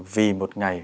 vì một ngày